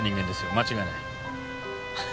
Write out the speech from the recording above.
間違いない。